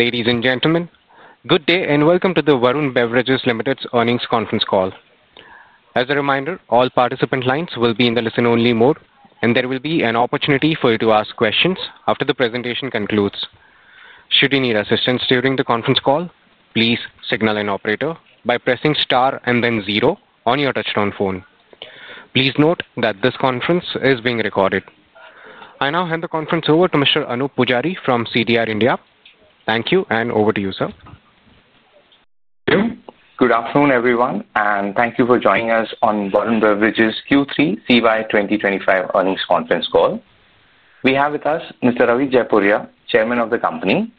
Ladies and gentlemen, good day and welcome to the Varun Beverages Limited's earnings conference call. As a reminder, all participant lines will be in the listen-only mode, and there will be an opportunity for you to ask questions after the presentation concludes. Should you need assistance during the conference call, please signal an operator by pressing star and then zero on your touchtone phone. Please note that this conference is being recorded. I now hand the conference over to Mr. Anoop Poojari from CDR India. Thank you, and over to you, sir. Good afternoon, everyone, and thank you for joining us on Varun Beverage Q3 CY 2025 earnings conference call. We have with us Mr. Ravi Jaipuria, Chairman of the Company,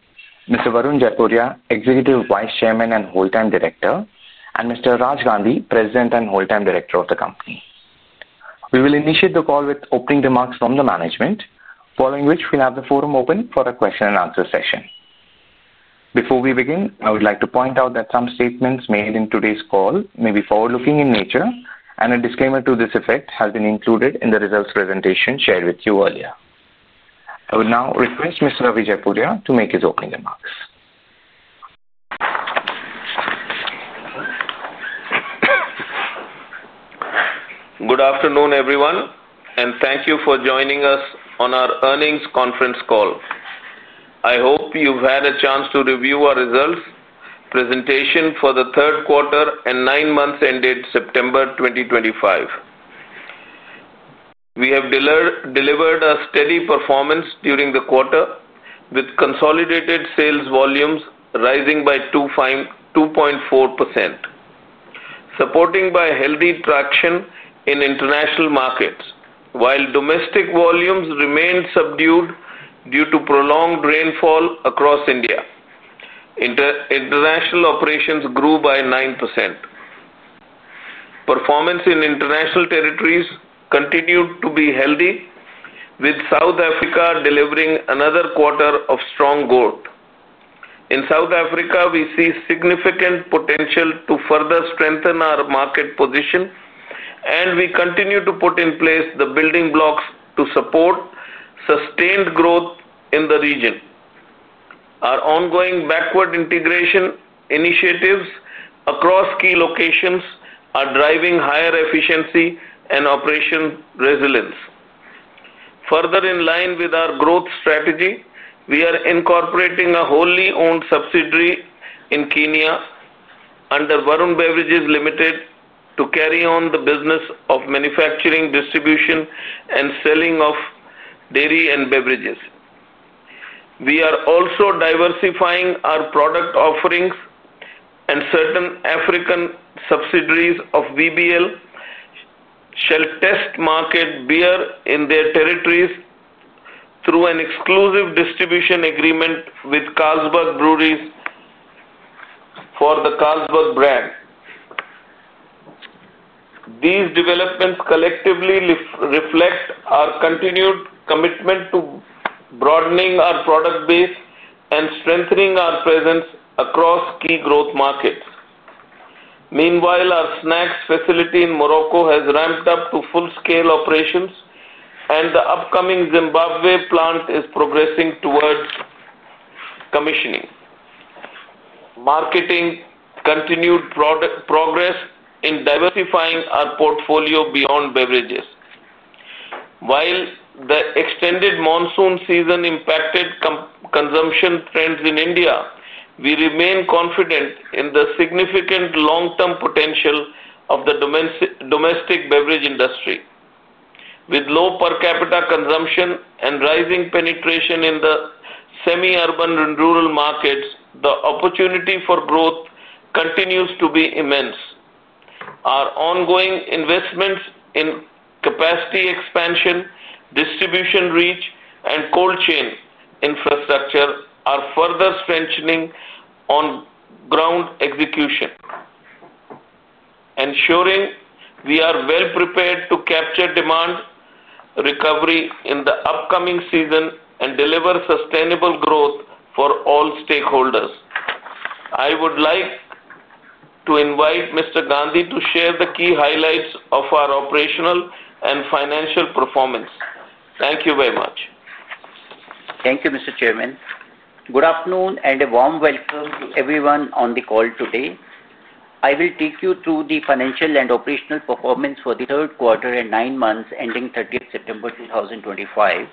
Mr. Varun Jaipuria, Executive Vice Chairman and Whole-Time Director, and Mr. Raj Gandhi, President and Whole-time Director of the Company. We will initiate the call with opening remarks from the management, following which we'll have the forum open for a question and answer session. Before we begin, I would like to point out that some statements made in today's call may be forward-looking in nature, and a disclaimer to this effect has been included in the results presentation shared with you earlier. I will now request Mr. Ravi Jaipuria to make his opening remarks. Good afternoon, everyone, and thank you for joining us on our earnings conference call. I hope you've had a chance to review our results presentation for the third quarter and nine months ended September 2025. We have delivered a steady performance during the quarter, with consolidated sales volumes rising by 2.4%, supported by healthy traction in international markets, while domestic volumes remained subdued due to prolonged rainfall across India. International operations grew by 9%. Performance in international territories continued to be healthy, with South Africa delivering another quarter of strong growth. In South Africa, we see significant potential to further strengthen our market position, and we continue to put in place the building blocks to support sustained growth in the region. Our ongoing backward integration initiatives across key locations are driving higher efficiency and operation resilience. Further in line with our growth strategy, we are incorporating a wholly owned subsidiary in Kenya under Varun Beverages Limited to carry on the business of manufacturing, distribution, and selling of dairy and beverages. We are also diversifying our product offerings, and certain African subsidiaries of VBL shall test market beer in their territories through an exclusive distribution agreement with Carlsberg Breweries for the Carlsberg brand. These developments collectively reflect our continued commitment to broadening our product base and strengthening our presence across key growth markets. Meanwhile, our snacks facility in Morocco has ramped up to full-scale operations, and the upcoming Zimbabwe plant is progressing towards commissioning, marking continued progress in diversifying our portfolio beyond beverages. While the extended monsoon season impacted consumption trends in India, we remain confident in the significant long-term potential of the domestic beverage industry. With low per capita consumption and rising penetration in the semi-urban and rural markets, the opportunity for growth continues to be immense. Our ongoing investments in capacity expansion, distribution reach, and cold chain infrastructure are further strengthening on ground execution, ensuring we are well prepared to capture demand recovery in the upcoming season and deliver sustainable growth for all stakeholders. I would like to invite Mr. Gandhi to share the key highlights of our operational and financial performance. Thank you very much. Thank you, Mr. Chairman. Good afternoon and a warm welcome to everyone on the call today. I will take you through the financial and operational performance for the third quarter and nine months ending 30th September 2025.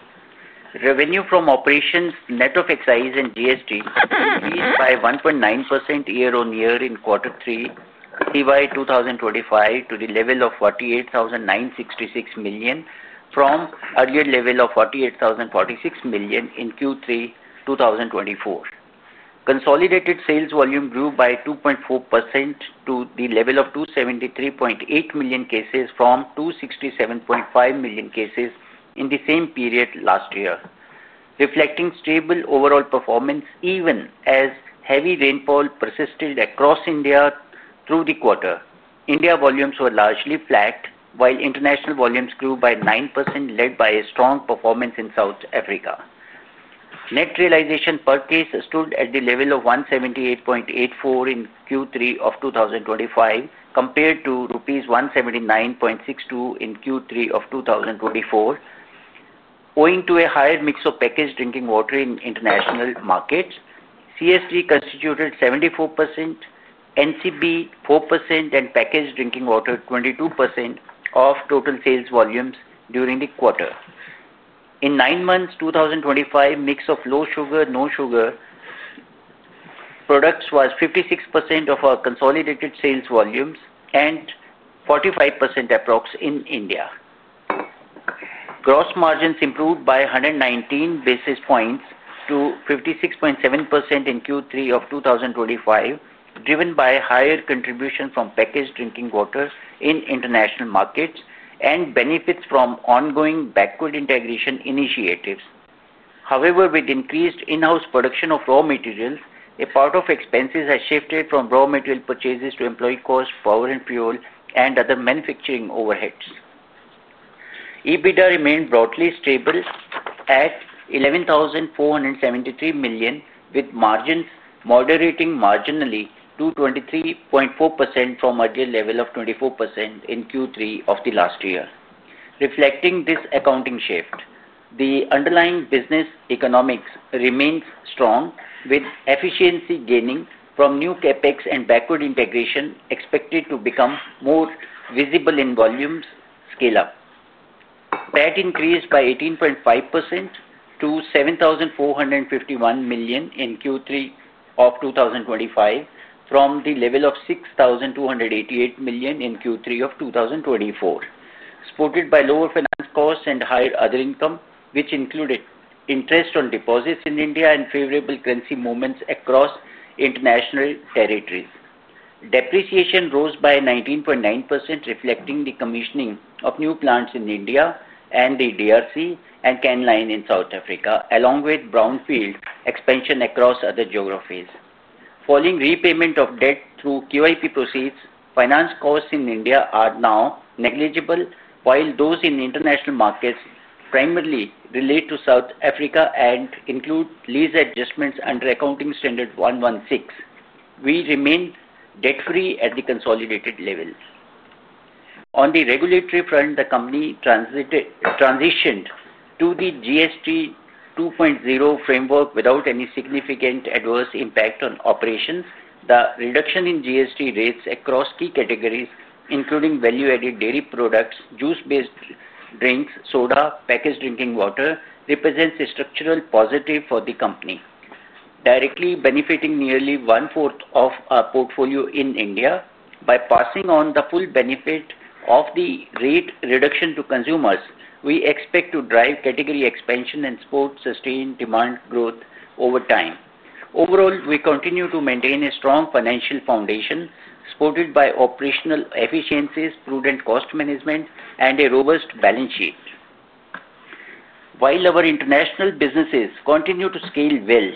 Revenue from operations, net of excise and GST, increased by 1.9% year-on-year in quarter three, CY 2025, to the level of 48,966 million from the earlier level of 48,046 million in Q3 2024. Consolidated sales volume grew by 2.4% to the level of 273.8 million cases from 267.5 million cases in the same period last year, reflecting stable overall performance even as heavy rainfall persisted across India through the quarter. India volumes were largely flat, while international volumes grew by 9%, led by a strong performance in South Africa. Net realization per case stood at the level of 178.84 in Q3 of 2025, compared to INR 179.62 in Q3 of 2024. Owing to a higher mix of packaged drinking water in international markets, CSD constituted 74%, NCB 4%, and packaged drinking water 22% of total sales volumes during the quarter. In nine months, 2025, mix of low sugar, no sugar products was 56% of our consolidated sales volumes and 45% approx in India. Gross margins improved by 119 basis points to 56.7% in Q3 of 2025, driven by higher contribution from packaged drinking water in international markets and benefits from ongoing backward integration initiatives. However, with increased in-house production of raw materials, a part of expenses has shifted from raw material purchases to employee costs, power and fuel, and other manufacturing overheads. EBITDA remained broadly stable at 11,473 million, with margins moderating marginally to 23.4% from a year level of 24% in Q3 of the last year. Reflecting this accounting shift, the underlying business economics remains strong, with efficiency gaining from new CapEx and backward integration expected to become more visible in volumes scale-up. PAT increased by 18.5% to 7,451 million in Q3 of 2025 from the level of 6,288 million in Q3 of 2024, supported by lower finance costs and higher other income, which included interest on deposits in India and favorable currency movements across international territories. Depreciation rose by 19.9%, reflecting the commissioning of new plants in India and the DRC and CAN line in South Africa, along with brownfield expansion across other geographies. Following repayment of debt through KYP proceeds, finance costs in India are now negligible, while those in international markets primarily relate to South Africa and include lease adjustments under accounting standard 116. We remain debt-free at the consolidated level. On the regulatory front, the company transitioned to the GST 2.0 framework without any significant adverse impact on operations. The reduction in GST rates across key categories, including value-added dairy products, juice-based drinks, soda, and packaged drinking water, represents a structural positive for the company, directly benefiting nearly one-fourth of our portfolio in India. By passing on the full benefit of the rate reduction to consumers, we expect to drive category expansion and support sustained demand growth over time. Overall, we continue to maintain a strong financial foundation supported by operational efficiencies, prudent cost management, and a robust balance sheet. While our international businesses continue to scale well,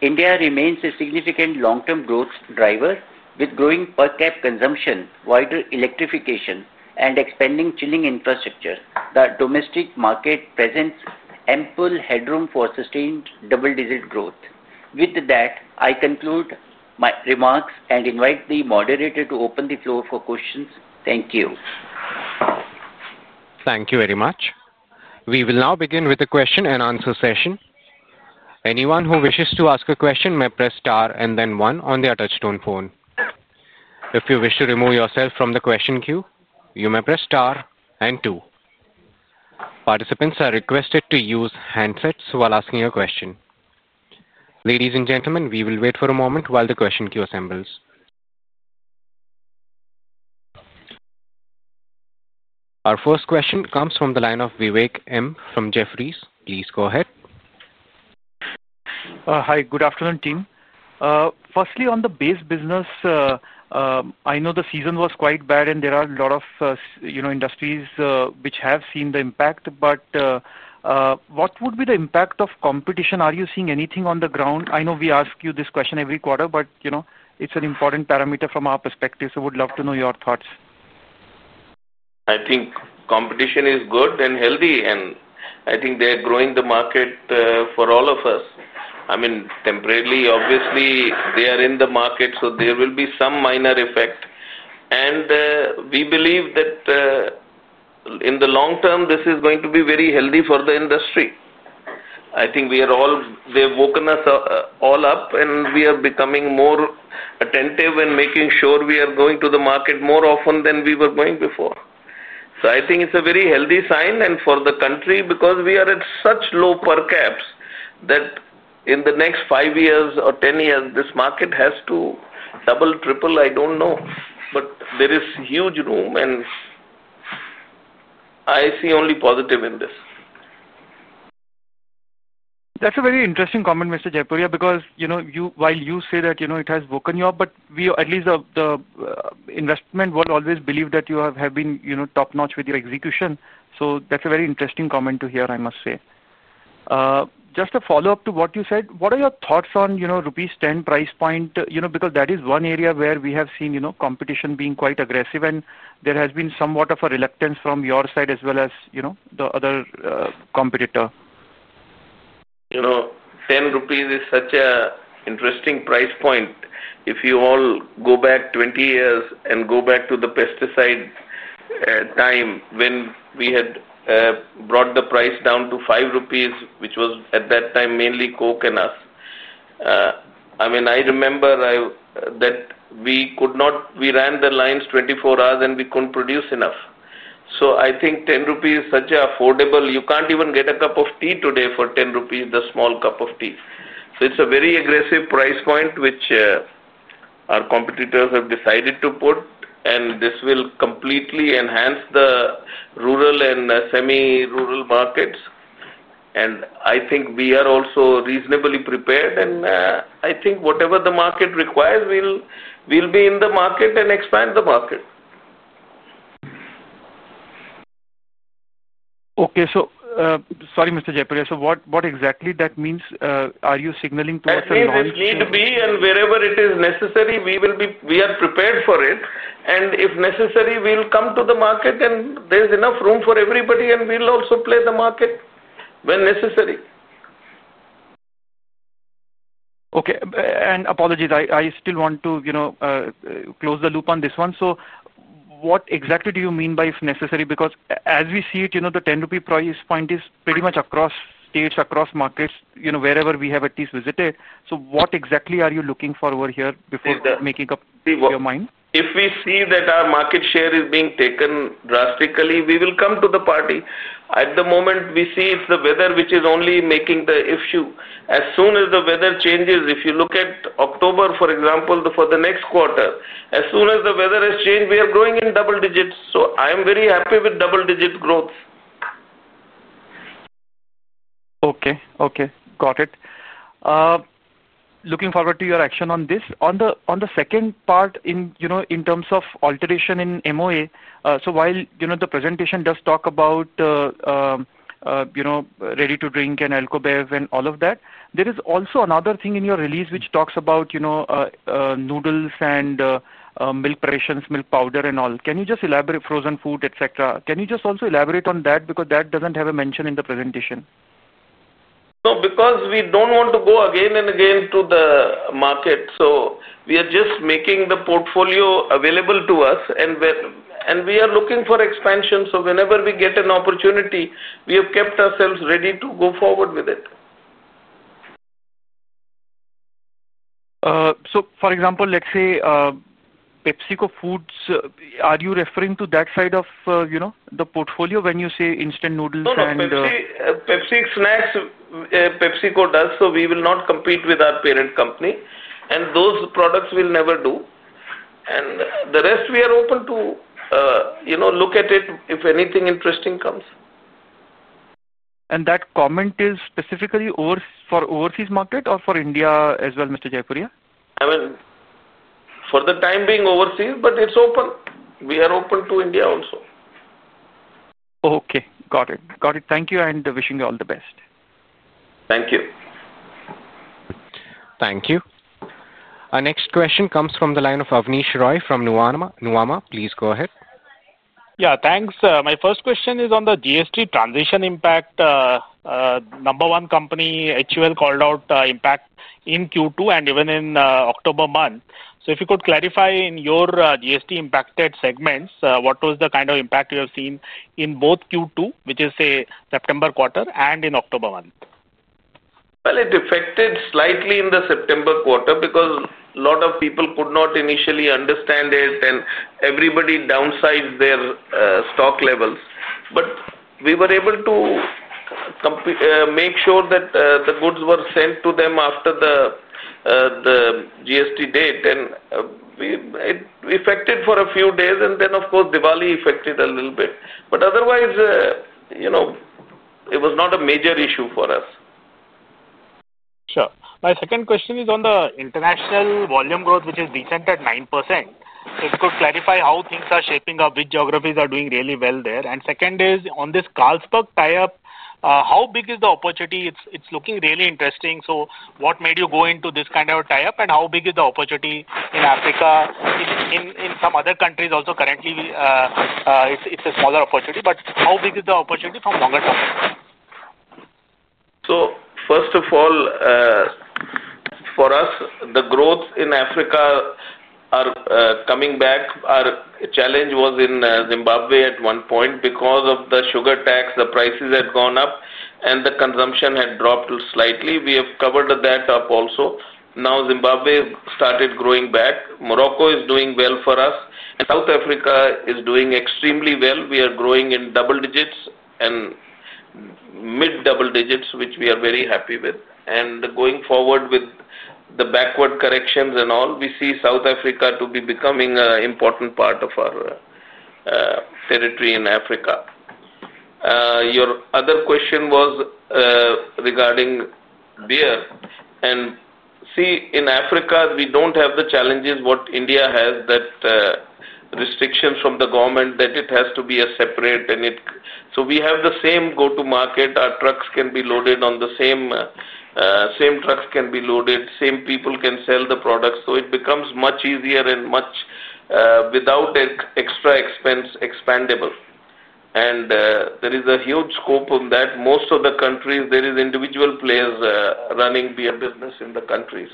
India remains a significant long-term growth driver, with growing per capita consumption, wider electrification, and expanding chilling infrastructure. The domestic market presents ample headroom for sustained double-digit growth. With that, I conclude my remarks and invite the moderator to open the floor for questions. Thank you. Thank you very much. We will now begin with the question-and-answer session. Anyone who wishes to ask a question may press star and then one on the attached phone. If you wish to remove yourself from the question queue, you may press star and two. Participants are requested to use handsets while asking a question. Ladies and gentlemen, we will wait for a moment while the question queue assembles. Our first question comes from the line of Vivek M. from Jefferies. Please go ahead. Hi, good afternoon, team. Firstly, on the base business, I know the season was quite bad and there are a lot of industries which have seen the impact. What would be the impact of competition? Are you seeing anything on the ground? I know we ask you this question every quarter, but you know it's an important parameter from our perspective, so we'd love to know your thoughts. I think competition is good and healthy, and I think they're growing the market for all of us. I mean, temporarily, obviously, they are in the market, so there will be some minor effect. We believe that in the long term, this is going to be very healthy for the industry. I think we are all, they've woken us all up and we are becoming more attentive and making sure we are going to the market more often than we were going before. I think it's a very healthy sign for the country because we are at such low per caps that in the next five years or ten years, this market has to double, triple, I don't know. There is huge room and I see only positive in this. That's a very interesting comment, Mr. Jaipuria, because you know, while you say that you know it has woken you up, we at least in the investment world always believed that you have been top-notch with your execution. That's a very interesting comment to hear, I must say. Just a follow-up to what you said, what are your thoughts on the rupees 10 price point? You know, because that is one area where we have seen competition being quite aggressive, and there has been somewhat of a reluctance from your side as well as the other competitor. You know, 10 rupees is such an interesting price point. If you all go back 20 years and go back to the pesticide time when we had brought the price down to 5 rupees, which was at that time mainly Coke and us. I mean, I remember that we could not, we ran the lines 24 hours and we couldn't produce enough. I think 10 rupees is such an affordable, you can't even get a cup of tea today for 10 rupees, the small cup of tea. It's a very aggressive price point which our competitors have decided to put, and this will completely enhance the rural and semi-rural markets. I think we are also reasonably prepared, and I think whatever the market requires, we'll be in the market and expand the market. Sorry, Mr. Jaipuria, what exactly does that mean? Are you signaling towards a launch? Wherever it is necessary, we are prepared for it. If necessary, we'll come to the market and there's enough room for everybody. We'll also play the market when necessary. Okay, apologies, I still want to close the loop on this one. What exactly do you mean by if necessary? As we see it, the 10 rupee price point is pretty much across states, across markets, wherever we have at least visited. What exactly are you looking for over here before making up your mind? If we see that our market share is being taken drastically, we will come to the party. At the moment, we see it's the weather, which is only making the issue. As soon as the weather changes, if you look at October, for example, for the next quarter, as soon as the weather has changed, we are growing in double digits. I am very happy with double-digit growth. Okay, got it. Looking forward to your action on this. On the second part, in terms of alteration in MOA, while the presentation does talk about ready-to-drink and Alcobev and all of that, there is also another thing in your release which talks about noodles and milk rations, milk powder, and all. Can you just elaborate, frozen food, etc.? Can you just also elaborate on that because that doesn't have a mention in the presentation? No, because we don't want to go again and again to the market. We are just making the portfolio available to us, and we are looking for expansion. Whenever we get an opportunity, we have kept ourselves ready to go forward with it. For example, let's say PepsiCo Foods, are you referring to that side of the portfolio when you say instant noodles and? PepsiCo does, so we will not compete with our parent company, and those products we'll never do. The rest we are open to look at if anything interesting comes. Is that comment specifically for overseas market or for India as well, Mr. Jaipuria? For the time being, overseas, but it's open. We are open to India also. Okay, got it. Got it. Thank you, and wishing you all the best. Thank you. Thank you. Our next question comes from the line of Abneesh Roy from Nuvama. Nuvama, please go ahead. Yeah, thanks. My first question is on the GST transition impact. Number one company, HUL, called out impact in Q2 and even in October month. If you could clarify in your GST impacted segments, what was the kind of impact you have seen in both Q2, which is, say, September quarter, and in October month? It affected slightly in the September quarter because a lot of people could not initially understand it and everybody downsized their stock levels. We were able to make sure that the goods were sent to them after the GST date. It affected for a few days, and then, of course, Diwali affected a little bit. Otherwise, you know, it was not a major issue for us. Sure. My second question is on the international volume growth, which is decent at 9%. If you could clarify how things are shaping up, which geographies are doing really well there. Second is on this Carlsberg tie-up, how big is the opportunity? It's looking really interesting. What made you go into this kind of a tie-up and how big is the opportunity in Africa? In some other countries also currently, it's a smaller opportunity, but how big is the opportunity from longer term? First of all, for us, the growth in Africa is coming back. Our challenge was in Zimbabwe at one point because of the sugar tax. The prices had gone up and the consumption had dropped slightly. We have covered that up also. Now Zimbabwe started growing back. Morocco is doing well for us. South Africa is doing extremely well. We are growing in double digits and mid-double digits, which we are very happy with. Going forward with the backward corrections and all, we see South Africa to be becoming an important part of our territory in Africa. Your other question was regarding beer. In Africa, we don't have the challenges that India has, that restrictions from the government that it has to be a separate and it. We have the same go-to-market. Our trucks can be loaded on the same, same trucks can be loaded, same people can sell the products. It becomes much easier and much without extra expense, expandable. There is a huge scope on that. Most of the countries, there are individual players running beer business in the country.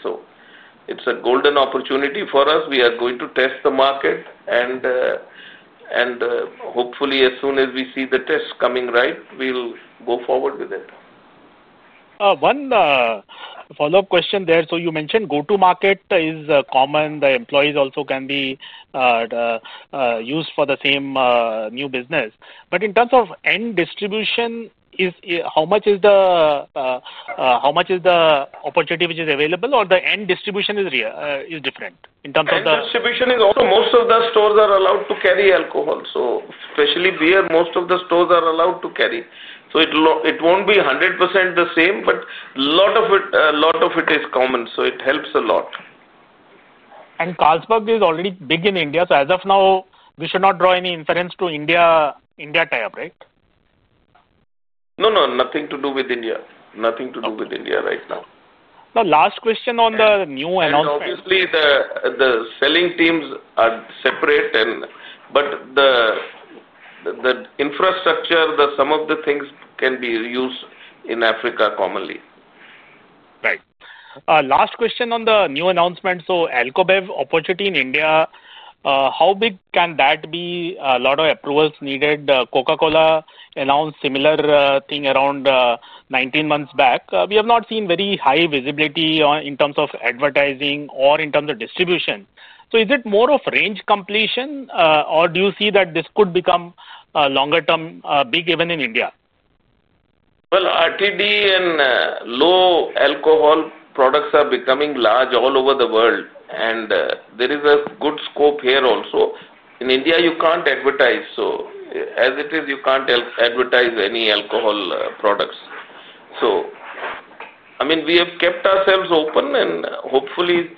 It is a golden opportunity for us. We are going to test the market. Hopefully, as soon as we see the tests coming right, we'll go forward with it. One follow-up question there. You mentioned go-to-market is common. The employees also can be used for the same new business. In terms of end distribution, how much is the opportunity which is available or the end distribution is different in terms of the? End distribution is also most of the stores are allowed to carry alcohol, especially beer. Most of the stores are allowed to carry, so it won't be 100% the same, but a lot of it is common. It helps a lot. Carlsberg is already big in India. As of now, we should not draw any inference to India tie-up, right? No, nothing to do with India. Nothing to do with India right now. The last question on the new announcement. Obviously, the selling teams are separate, but the infrastructure, some of the things can be used in Africa commonly. Right. Last question on the new announcement. Alcobev opportunity in India, how big can that be? A lot of approvals needed. Coca-Cola announced a similar thing around 19 months back. We have not seen very high visibility in terms of advertising or in terms of distribution. Is it more of range completion or do you see that this could become a longer-term big even in India? RTD and low alcohol products are becoming large all over the world. There is a good scope here also. In India, you can't advertise. As it is, you can't advertise any alcohol products. I mean, we have kept ourselves open and hopefully,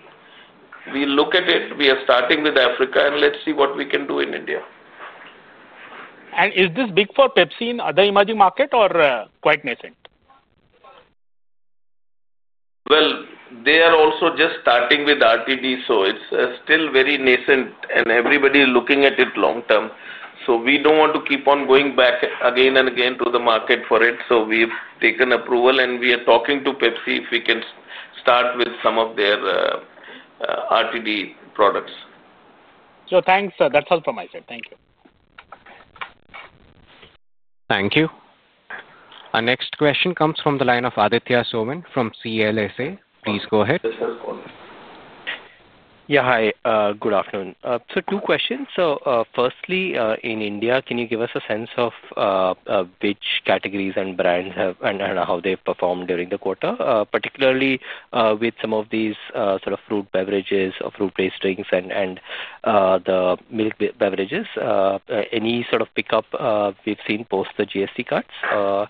we look at it. We are starting with Africa and let's see what we can do in India. Is this big for Pepsi in other emerging markets or quite nascent? They are also just starting with RTD. It's still very nascent and everybody is looking at it long term. We don't want to keep on going back again and again to the market for it. We've taken approval and we are talking to Pepsi if we can start with some of their RTD products. Thank you, sir. That's all from my side. Thank you. Thank you. Our next question comes from the line of Aditya Soman from CLSA. Please go ahead. Yeah, hi. Good afternoon. Two questions. Firstly, in India, can you give us a sense of which categories and brands have and how they've performed during the quarter, particularly with some of these sort of fruit beverages or fruit-based drinks and the milk beverages? Any sort of pickup we've seen post the GST cuts?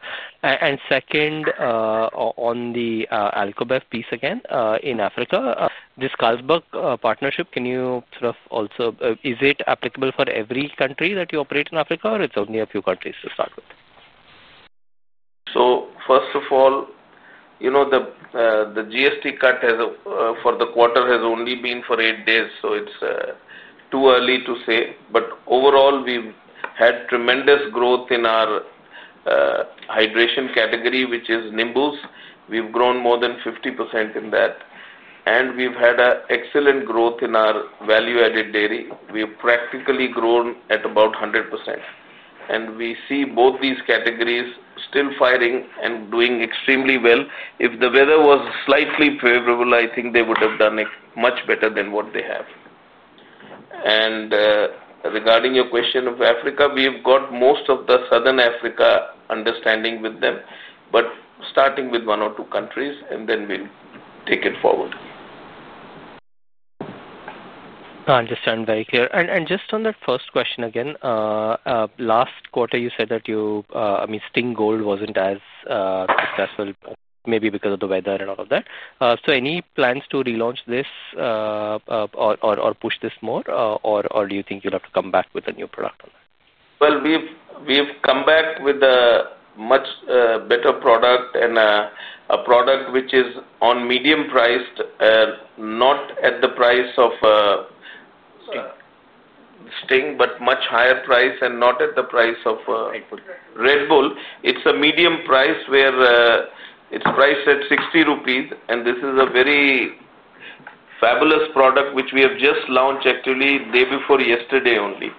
Second, on the Alcobev piece again, in Africa. This Carlsberg partnership, can you sort of also, is it applicable for every country that you operate in Africa or it's only a few countries to start with? First of all, you know the GST cut for the quarter has only been for eight days. It's too early to say. Overall, we've had tremendous growth in our hydration category, which is Nimbus. We've grown more than 50% in that, and we've had excellent growth in our value-added dairy. We've practically grown at about 100%, and we see both these categories still firing and doing extremely well. If the weather was slightly favorable, I think they would have done much better than what they have. Regarding your question of Africa, we've got most of the Southern Africa understanding with them, starting with one or two countries and then we'll take it forward. No, I understand very clear. Just on that first question again, last quarter, you said that you, I mean, Sting Gold wasn't as successful, maybe because of the weather and all of that. Any plans to relaunch this or push this more, or do you think you'll have to come back with a new product on that? We have come back with a much better product and a product which is medium priced, not at the price of Sting, but much higher price and not at the price of Red Bull. It is a medium price where it's priced at 60 rupees. This is a very fabulous product, which we have just launched actually the day before yesterday only.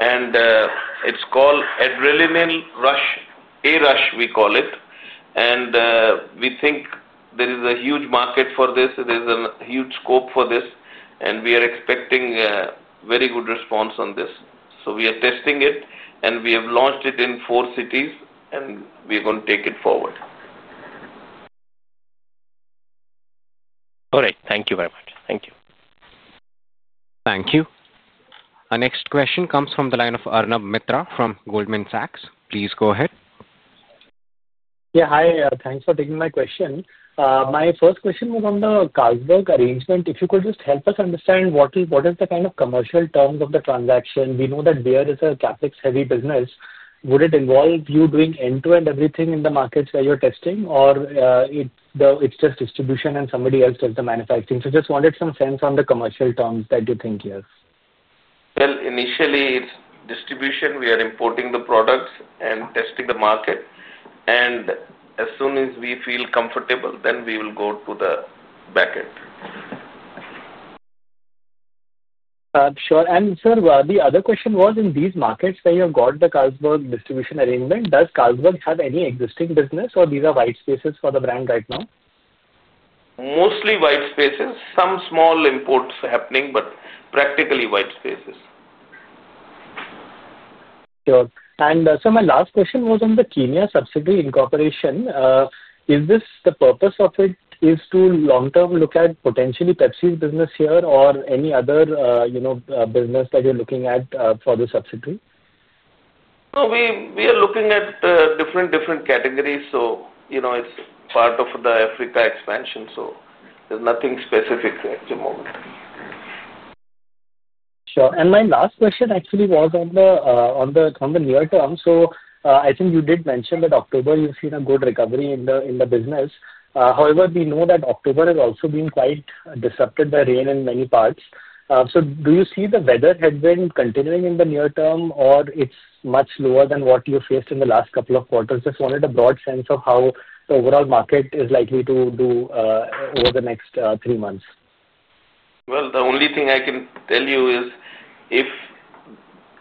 It is called Adrenaline Rush, A Rush, we call it. We think there is a huge market for this. There is a huge scope for this. We are expecting a very good response on this. We are testing it and we have launched it in four cities and we are going to take it forward. All right. Thank you very much. Thank you. Thank you. Our next question comes from the line of Arnab Mitra from Goldman Sachs. Please go ahead. Yeah, hi. Thanks for taking my question. My first question was on the Carlsberg arrangement. If you could just help us understand what is the kind of commercial terms of the transaction. We know that beer is a CapEx-heavy business. Would it involve you doing end-to-end everything in the markets where you're testing, or it's just distribution and somebody else does the manufacturing? I just wanted some sense on the commercial terms that you think here. Initially, it's distribution. We are importing the products and testing the market. As soon as we feel comfortable, then we will go to the back end. Sure. Sir, the other question was in these markets where you have got the Carlsberg distribution arrangement, does Carlsberg have any existing business, or are these white spaces for the brand right now? Mostly white spaces. Some small imports are happening, but practically white spaces. Sure. Sir, my last question was on the Kenya subsidiary incorporation. Is the purpose of it to long-term look at potentially Pepsi's business here or any other business that you're looking at for the subsidiary? No, we are looking at different categories. You know, it's part of the Africa expansion. There's nothing specific right at the moment. Sure. My last question actually was on the near term. I think you did mention that October you've seen a good recovery in the business. However, we know that October has also been quite disrupted by rain in many parts. Do you see the weather headwind continuing in the near term or it's much lower than what you faced in the last couple of quarters? I just wanted a broad sense of how the overall market is likely to do over the next three months. The only thing I can tell you is if,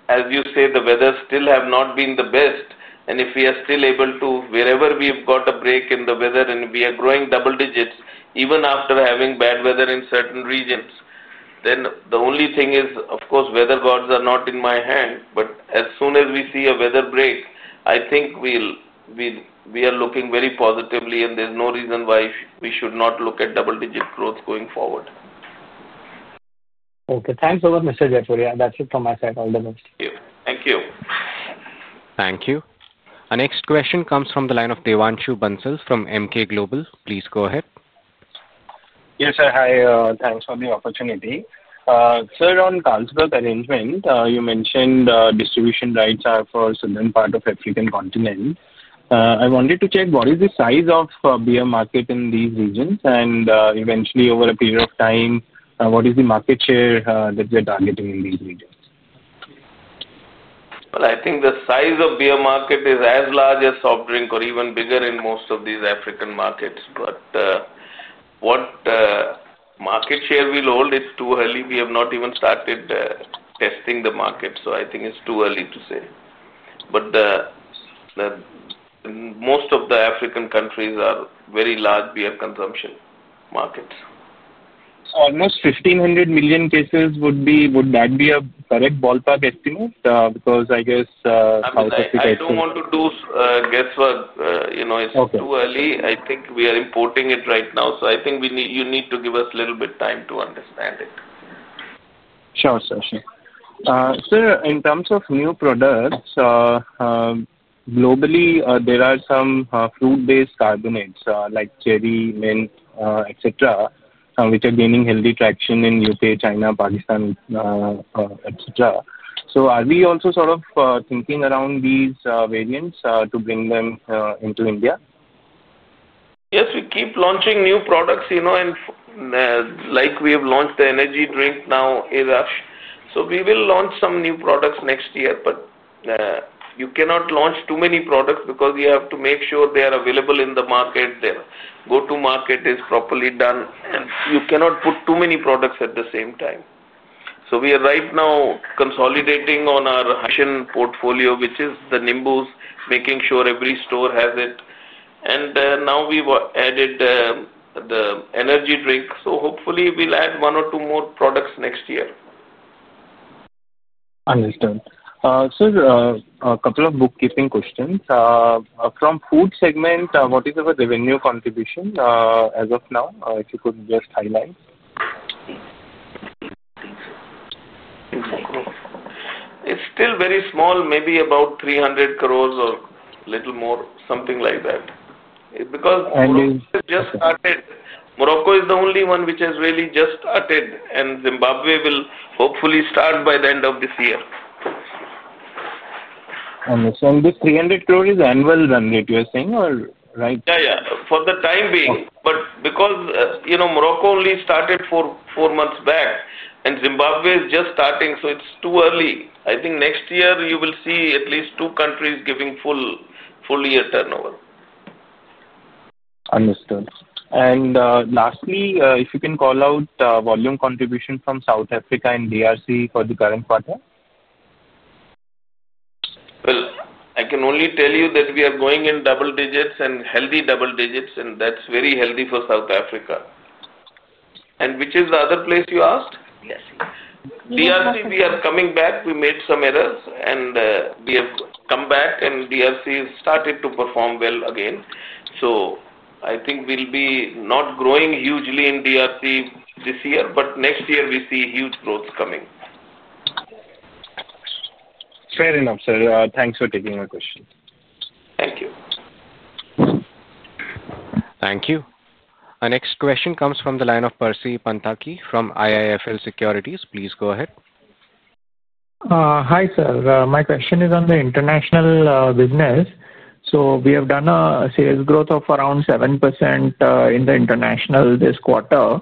as you say, the weather still has not been the best and if we are still able to, wherever we've got a break in the weather and we are growing double digits, even after having bad weather in certain regions, the only thing is, of course, weather gods are not in my hand. As soon as we see a weather break, I think we are looking very positively and there's no reason why we should not look at double-digit growth going forward. Okay. Thanks a lot, Mr. Jaipuria. That's it from my side. All the best. Thank you. Thank you. Thank you. Our next question comes from the line of Devanshu Bansal from Emkay Global. Please go ahead. Yes, sir. Hi. Thanks for the opportunity. Sir, on the Carlsberg arrangement, you mentioned distribution rights are for the southern part of the African continent. I wanted to check what is the size of the beer market in these regions and eventually, over a period of time, what is the market share that you're targeting in these regions? I think the size of beer market is as large as soft drink or even bigger in most of these African markets. What market share we'll hold, it's too early. We have not even started testing the market. I think it's too early to say. Most of the African countries are very large beer consumption markets. Almost 1,500 million cases, would that be a correct ballpark estimate? Because I guess South Africa. I don't want to do guesswork. You know, it's too early. I think we are importing it right now, so I think you need to give us a little bit of time to understand it. Sure, sir. In terms of new products, globally, there are some fruit-based carbonates like cherry, mint, etc., which are gaining healthy traction in the U.K., China, Pakistan, etc. Are we also sort of thinking around these variants to bring them into India? Yes, we keep launching new products, you know, like we have launched the energy drink now, Sting. We will launch some new products next year. You cannot launch too many products because you have to make sure they are available in the market, their go-to-market is properly done, and you cannot put too many products at the same time. We are right now consolidating on our Asian portfolio, which is the Nimbus, making sure every store has it. Now we've added the energy drink. Hopefully, we'll add one or two more products next year. Understood. Sir, a couple of bookkeeping questions. From the food segment, what is the revenue contribution as of now? If you could just highlight. It's still very small, maybe about 300 crore or a little more, something like that. Morocco just started. Morocco is the only one which has really just started, and Zimbabwe will hopefully start by the end of this year. Understood. This 300 crore is annual revenue, you're saying, right? Yeah, for the time being. Morocco only started four months back, and Zimbabwe is just starting, so it's too early. I think next year you will see at least two countries giving full year turnover. Understood. Lastly, if you can call out the volume contribution from South Africa and DRC for the current quarter? I can only tell you that we are going in double digits and healthy double digits, and that's very healthy for South Africa. Which is the other place you asked? DRC. DRC, we are coming back. We made some errors, and we have come back, and DRC has started to perform well again. I think we'll be not growing hugely in DRC this year, but next year we see huge growth coming. Fair enough, sir. Thanks for taking my question. Thank you. Thank you. Our next question comes from the line of Percy Panthaki from IIFL Securities. Please go ahead. Hi, sir. My question is on the international business. We have done a sales growth of around 7% in the international this quarter,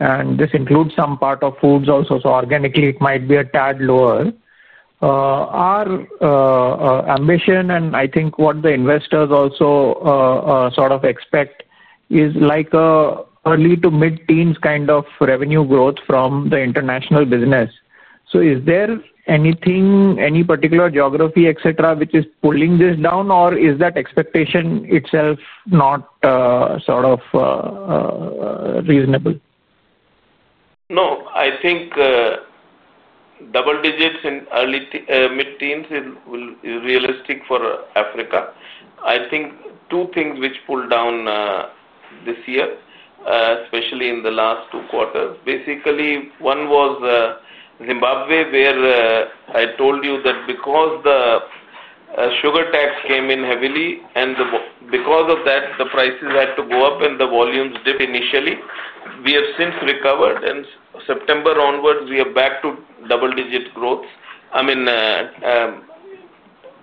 and this includes some part of foods also. Organically, it might be a tad lower. Our ambition, and I think what the investors also sort of expect, is like an early to mid-teens kind of revenue growth from the international business. Is there anything, any particular geography, etc., which is pulling this down, or is that expectation itself not sort of reasonable? No, I think double digits in early mid-teens is realistic for Africa. I think two things which pulled down this year, especially in the last two quarters. Basically, one was Zimbabwe, where I told you that because the sugar tax came in heavily, and because of that, the prices had to go up and the volumes dipped initially. We have since recovered, and September onwards, we are back to double-digit growth. I mean,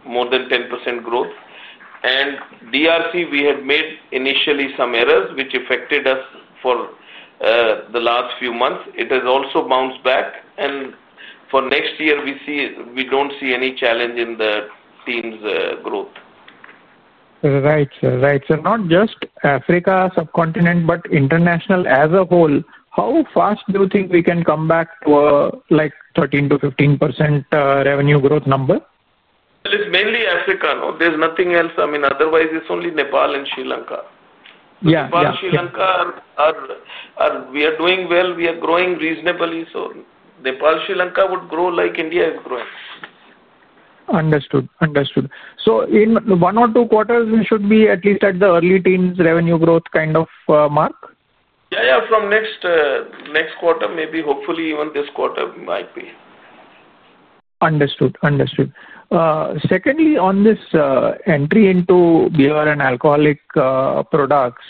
more than 10% growth. DRC, we had made initially some errors, which affected us for the last few months. It has also bounced back. For next year, we see we don't see any challenge in the teens' growth. Right, sir. Right. Not just Africa subcontinent, but international as a whole, how fast do you think we can come back to a like 13%-15% revenue growth number? It's mainly Africa. There's nothing else. I mean, otherwise, it's only Nepal and Sri Lanka. Nepal and Sri Lanka are doing well. We are growing reasonably. Nepal and Sri Lanka would grow like India is growing. Understood. In one or two quarters, we should be at least at the early teens revenue growth kind of mark? Yeah, from next quarter, maybe hopefully even this quarter might be. Understood. Secondly, on this entry into beer and alcoholic products,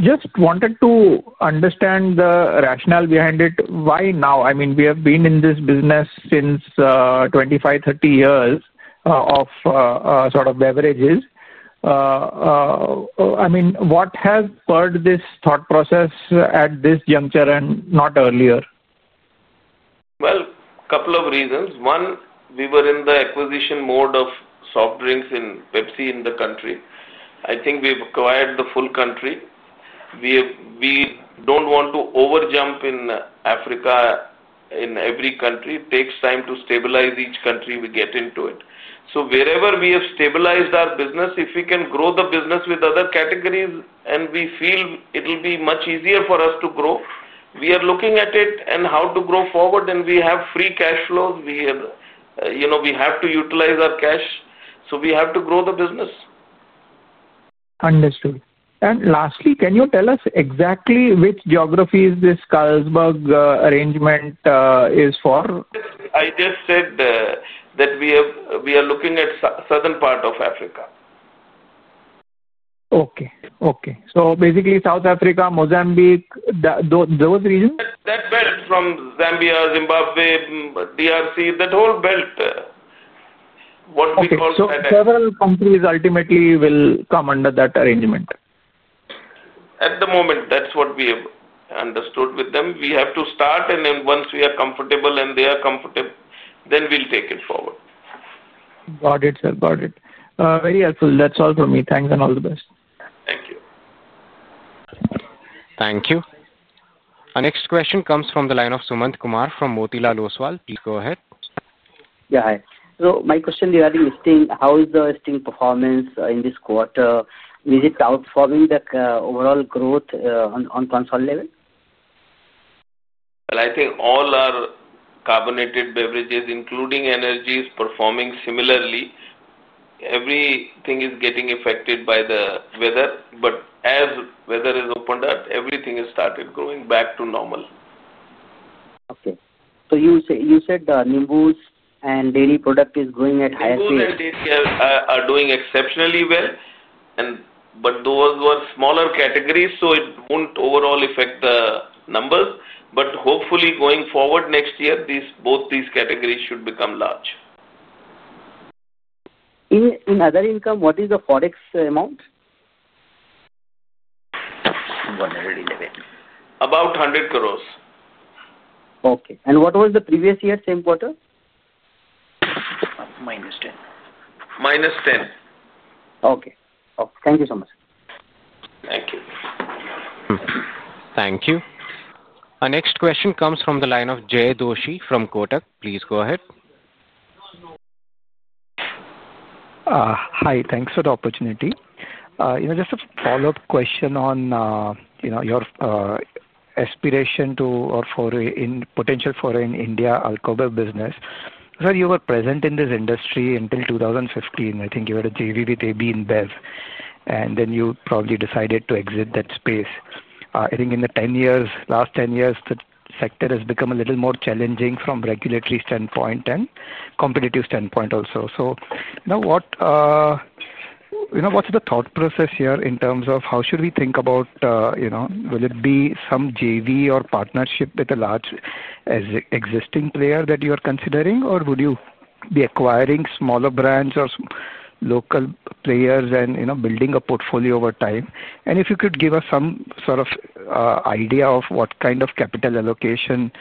just wanted to understand the rationale behind it. Why now? I mean, we have been in this business since 25 years, 30 years of sort of beverages. I mean, what has spurred this thought process at this juncture and not earlier? A couple of reasons. One, we were in the acquisition mode of soft drinks and Pepsi in the country. I think we've acquired the full country. We don't want to overjump in Africa in every country. It takes time to stabilize each country we get into. Wherever we have stabilized our business, if we can grow the business with other categories and we feel it'll be much easier for us to grow, we are looking at it and how to grow forward. We have free cash flows. We have to utilize our cash. We have to grow the business. Understood. Lastly, can you tell us exactly which geographies this Carlsberg arrangement is for? I just said that we are looking at the southern part of Africa. Okay. Okay. So basically, South Africa, Mozambique, those regions? That belt, from Zambia, Zimbabwe, DRC, that whole belt, what we call. Several countries ultimately will come under that arrangement? At the moment, that's what we have understood with them. We have to start, and then once we are comfortable and they are comfortable, we'll take it forward. Got it, sir. Got it. Very helpful. That's all for me. Thanks and all the best. Thank you. Thank you. Our next question comes from the line of Sumant Kumar from Motilal Oswal. Please go ahead. Yeah, hi. My question regarding Sting, how is the Sting performance in this quarter? Is it outperforming the overall growth on console level? I think all our carbonated beverages, including energy, are performing similarly. Everything is getting affected by the weather. As weather has opened up, everything has started going back to normal. Okay. You said Nimbus and dairy product is growing at higher pace. Nimbus and dairy are doing exceptionally well. Those were smaller categories, so it won't overall affect the numbers. Hopefully, going forward next year, both these categories should become large. In other income, what is the Forex amount? 111. About 100 crore. Okay, what was the previous year, same quarter? Minus 10. Okay. Thank you so much. Thank you. Thank you. Our next question comes from the line of Jay Doshi from Kotak. Please go ahead. Hi. Thanks for the opportunity. Just a follow-up question on your aspiration to or for a potential foray in India Alcobev business. Sir, you were present in this industry until 2015. I think you had a JV with AB InBev, and then you probably decided to exit that space. I think in the last 10 years, the sector has become a little more challenging from a regulatory standpoint and competitive standpoint also. Now, what's the thought process here in terms of how should we think about, you know, will it be some JV or partnership with a large existing player that you are considering, or would you be acquiring smaller brands or local players and building a portfolio over time? If you could give us some sort of idea of what kind of capital allocation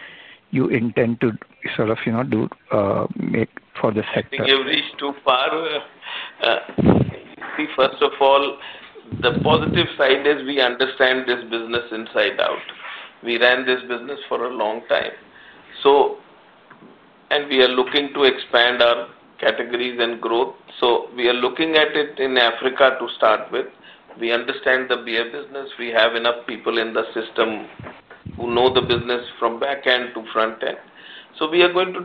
you intend to make for the sector. We have reached too far. First of all, the positive side is we understand this business inside out. We ran this business for a long time, and we are looking to expand our categories and growth. We are looking at it in Africa to start with. We understand the beer business. We have enough people in the system who know the business from back end to front end. We are going to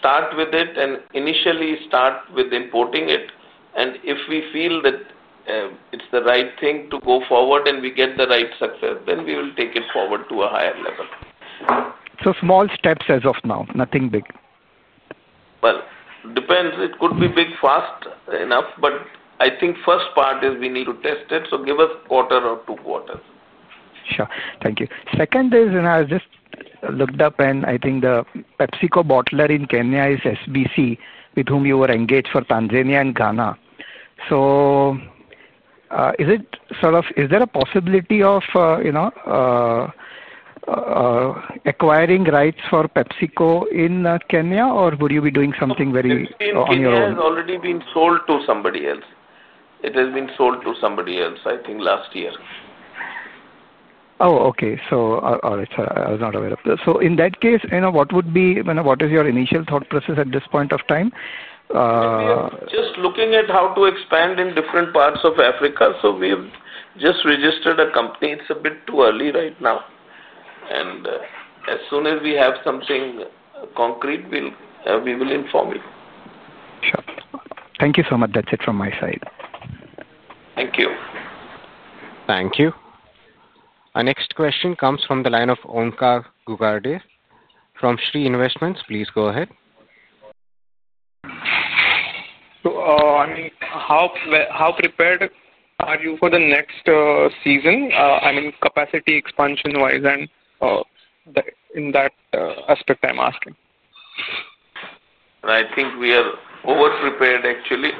start with it and initially start with importing it. If we feel that it's the right thing to go forward and we get the right success, then we will take it forward to a higher level. Small steps as of now, nothing big. It depends. It could be big fast enough, but I think the first part is we need to test it. Give us a quarter or two quarters. Thank you. Second is, I just looked up, and I think the PepsiCo bottler in Kenya is SBC, with whom you were engaged for Tanzania and Ghana. Is there a possibility of acquiring rights for PepsiCo in Kenya, or would you be doing something very on your own? It has already been sold to somebody else. It has been sold to somebody else, I think, last year. Oh, okay. All right, sir, I was not aware of that. In that case, what would be, you know, what is your initial thought process at this point of time? Just looking at how to expand in different parts of Africa. We have just registered a company. It's a bit too early right now. As soon as we have something concrete, we will inform you. Sure. Thank you so much. That's it from my side. Thank you. Thank you. Our next question comes from the line of [Ongkar Gugardir] from Sri Investments. Please go ahead. I mean, how prepared are you for the next season, I mean, capacity expansion-wise and in that aspect I'm asking? I think we are over-prepared, actually.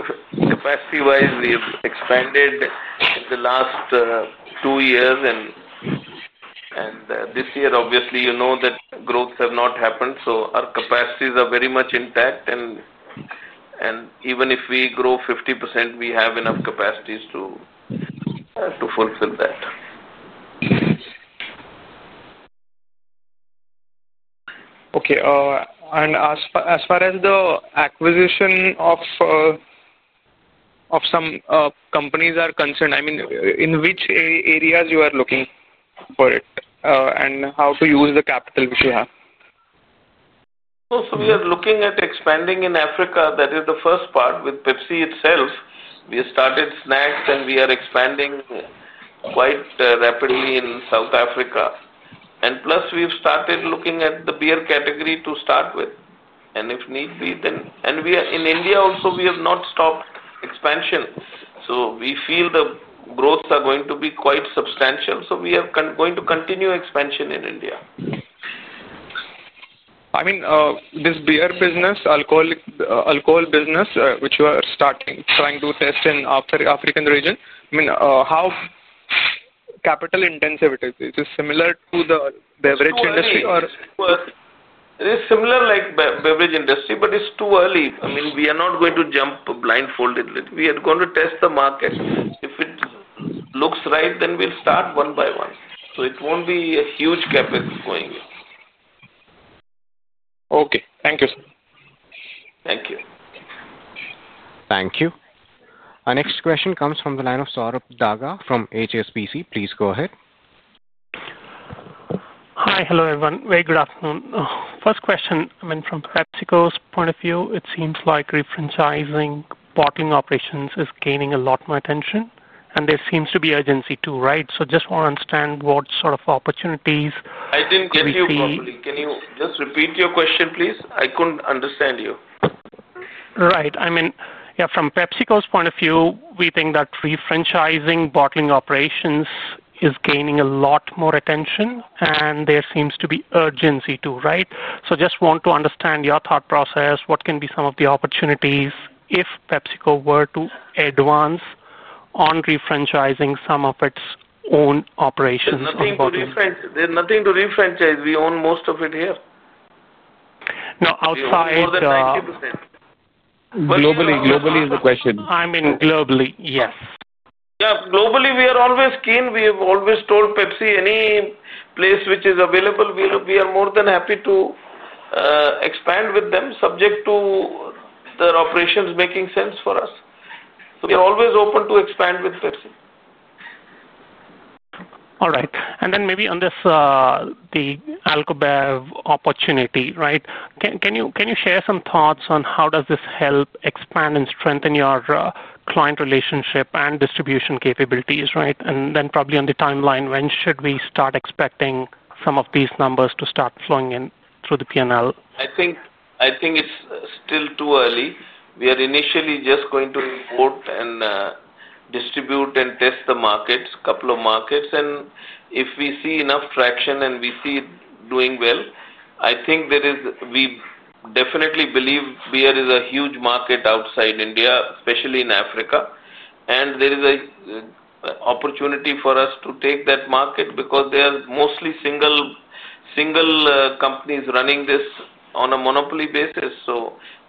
Capacity-wise, we have expanded in the last two years. This year, obviously, you know that growths have not happened. Our capacities are very much intact, and even if we grow 50%, we have enough capacities to fulfill that. As far as the acquisition of some companies is concerned, in which areas are you looking for it and how do you use the capital which you have? We are looking at expanding in Africa. That is the first part. With Pepsi itself, we started snacks, and we are expanding quite rapidly in South Africa. Plus, we've started looking at the beer category to start with. If need be, then, and we are in India also, we have not stopped expansion. We feel the growths are going to be quite substantial. We are going to continue expansion in India. This beer business, alcohol business, which you are starting, trying to test in the African region, how capital-intensive is it? Is it similar to the beverage industry or? It is similar like the beverage industry, but it's too early. I mean, we are not going to jump blindfoldedly. We are going to test the market. If it looks right, then we'll start one by one. It won't be a huge cap going in. Okay, thank you, sir. Thank you. Thank you. Our next question comes from the line of Sorabh Daga from HSBC. Please go ahead. Hi. Hello, everyone. Very good afternoon. First question, from PepsiCo's point of view, it seems like franchising bottling operations is gaining a lot more attention. There seems to be urgency too, right? Just want to understand what sort of opportunities. I didn't get you properly. Can you just repeat your question, please? I couldn't understand you. Right. I mean, yeah, from PepsiCo's point of view, we think that franchising bottling operations is gaining a lot more attention. There seems to be urgency too, right? I just want to understand your thought process. What can be some of the opportunities if PepsiCo were to advance on franchising some of its own operations on bottling? There's nothing to franchise. We own most of it here. No, outside. More than 90%. Globally, is the question. I mean, globally, yes. Globally, we are always keen. We have always told Pepsi, any place which is available, we are more than happy to expand with them, subject to their operations making sense for us. We are always open to expand with Pepsi. All right. On this, the Alcobev opportunity, can you share some thoughts on how does this help expand and strengthen your client relationship and distribution capabilities? Probably on the timeline, when should we start expecting some of these numbers to start flowing in through the P&L? I think it's still too early. We are initially just going to import and distribute and test the markets, a couple of markets. If we see enough traction and we see it doing well, I think there is, we definitely believe beer is a huge market outside India, especially in Africa. There is an opportunity for us to take that market because there are mostly single companies running this on a monopoly basis.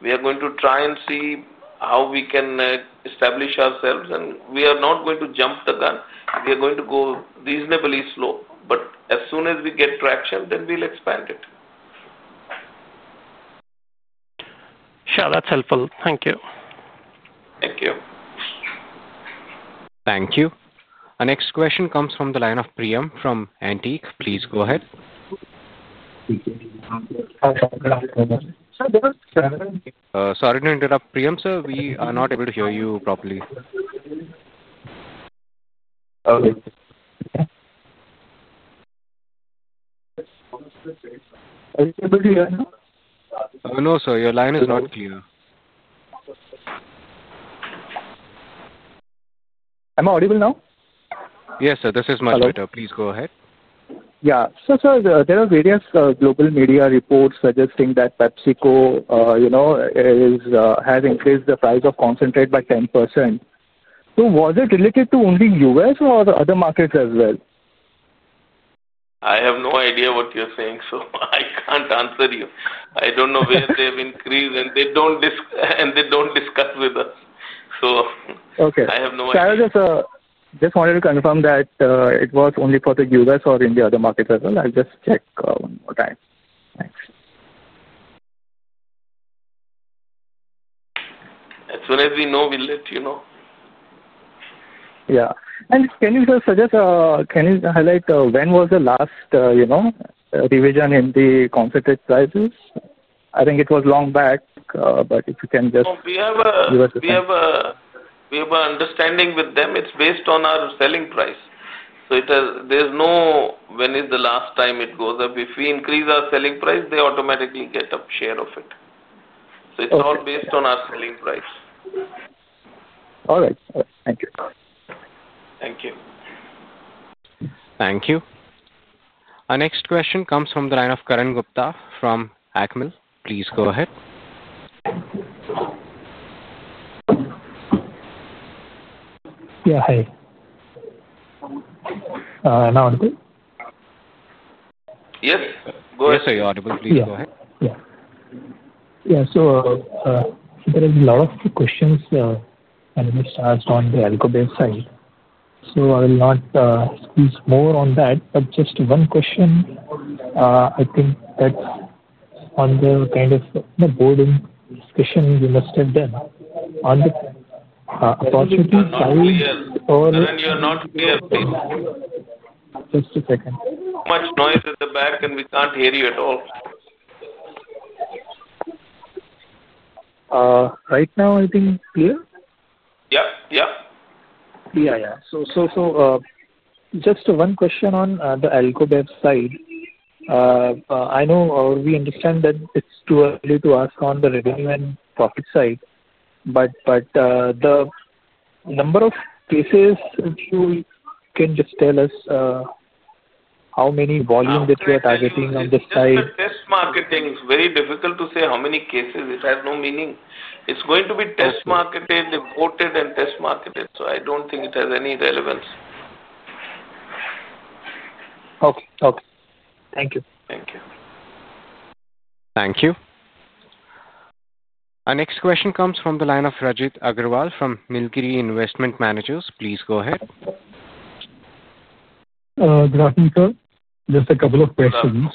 We are going to try and see how we can establish ourselves. We are not going to jump the gun. We are going to go reasonably slow. As soon as we get traction, then we'll expand it. Sure, that's helpful. Thank you. Thank you. Thank you. Our next question comes from the line of [Priyam from Antique]. Please go ahead. Sorry to interrupt, [Priyam]. Sir, we are not able to hear you properly. Okay. Are you able to hear now? No, sir, your line is not clear. Am I audible now? Yes, sir, this is much better. Please go ahead. Yeah. Sir, there are various global media reports suggesting that PepsiCo, you know, has increased the price of concentrate by 10%. Was it related to only the U.S. or other markets as well? I have no idea what you're saying, so I can't answer you. I don't know where they've increased, and they don't discuss with us. I have no idea. Sir, I just wanted to confirm that it was only for the U.S. or in the other markets as well. I'll just check one more time. Thanks. As soon as we know, we'll let you know. Can you highlight when was the last revision in the concentrate prices? I think it was long back, but if you can just give us a second. We have an understanding with them. It's based on our selling price. There's no when is the last time it goes up. If we increase our selling price, they automatically get a share of it. It's all based on our selling price. All right. Thank you. Thank you. Thank you. Our next question comes from the line of [Karan Gupta from Acmel]. Please go ahead. Yeah, hi. Yes. Yes, sir, you're audible. Please go ahead. Yeah, there are a lot of questions that I just asked on the Alcobev side. I will not squeeze more on that, but just one question. I think that's on the kind of the boarding discussion you must have done on the opportunity side. You're not clear. Just a second. much noise in the back, and we can't hear you at all. Right now, I think clear. Yeah, yeah. Just one question on the Alcobev side. I know or we understand that it's too early to ask on the revenue and profit side, but the number of cases, if you can just tell us how many volume that we are targeting on this side. Test marketing, it's very difficult to say how many cases. It has no meaning. It's going to be test marketed, imported, and test marketed. I don't think it has any relevance. Okay. Thank you. Thank you. Thank you. Our next question comes from the line of Rajit Aggarwal from Niljiri Investment Managers. Please go ahead. Good afternoon, sir. Just a couple of questions.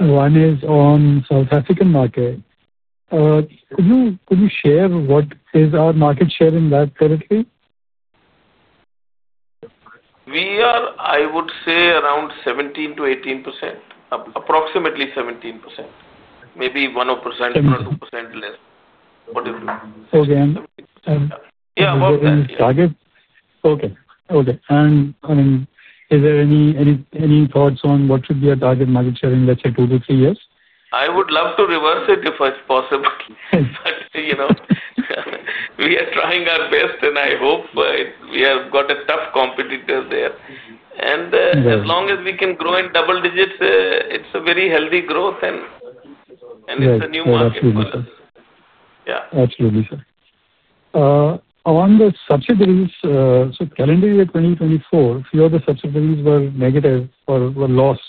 One is on the South African market. Could you share what is our market share in that territory? We are, I would say, around 17%-18%, approximately 17%. Maybe 1% or 2% less. Okay. And. Yeah, about that. Okay. Is there any thoughts on what should be our target market share in, let's say, two to three years? I would love to reverse it if it's possible. We are trying our best, and I hope we have got a tough competitor there. As long as we can grow in double digits, it's a very healthy growth and it's a new market for us. Yeah. Absolutely, sir. On the subsidiaries, calendar year 2024, a few of the subsidiaries were negative or were lost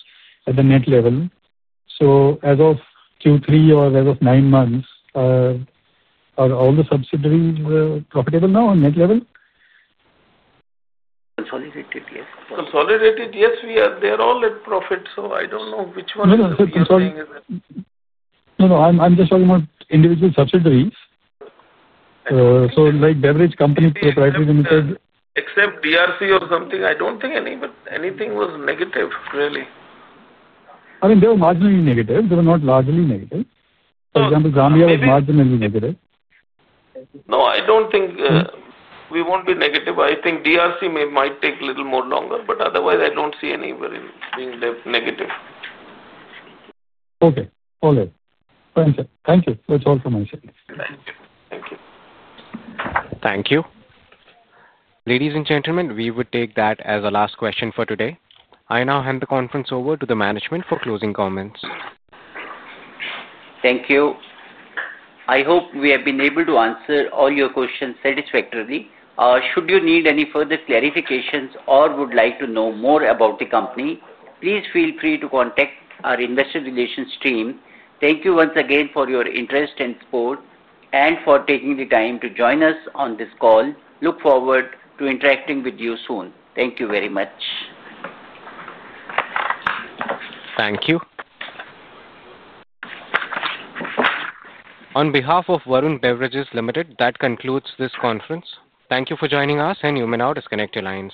at the net level. As of Q3 or as of nine months, are all the subsidiaries profitable now on net level? Consolidated, yes. Consolidated, yes. They're all in profit. I don't know which one is profiting. I'm just talking about individual subsidiaries, like The Beverage Company Proprietary Ltd. Except DRC or something, I don't think anything was negative, really. I mean, they were marginally negative. They were not largely negative. For example, Zambia was marginally negative. No, I don't think we won't be negative. I think DRC might take a little more longer, but otherwise, I don't see any being negative. Okay. All right. Thank you. That's all from my side. Thank you. Thank you. Thank you. Ladies and gentlemen, we would take that as the last question for today. I now hand the conference over to the management for closing comments. Thank you. I hope we have been able to answer all your questions satisfactorily. Should you need any further clarifications or would like to know more about the company, please feel free to contact our Investor Relations team. Thank you once again for your interest and support and for taking the time to join us on this call. Look forward to interacting with you soon. Thank you very much. Thank you. On behalf of Varun Beverages Limited, that concludes this conference. Thank you for joining us and you may now disconnect the lines.